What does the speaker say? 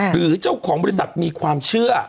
หรือเจ้าของบริษัทมีความเชื่อ